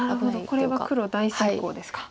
これは黒大成功ですか。